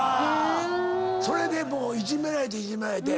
それでいじめられていじめられて。